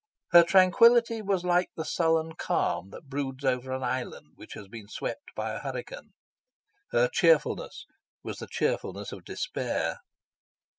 Her tranquillity was like the sullen calm that broods over an island which has been swept by a hurricane. Her cheerfulness was the cheerfulness of despair.